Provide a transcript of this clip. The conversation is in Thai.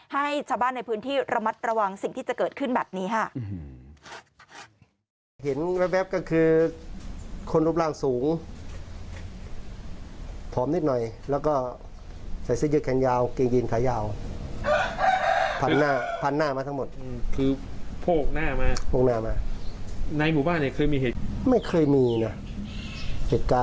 ให้ชาวบ้านในพื้นที่ระมัดระวังสิ่งที่จะเกิดขึ้นแบบนี้ค่ะ